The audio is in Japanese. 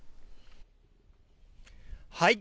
はい。